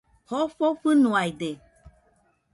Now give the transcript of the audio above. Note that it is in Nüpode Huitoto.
Jofo fɨnoaide